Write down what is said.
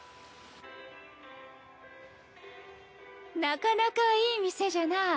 なかなかいい店じゃなぁ。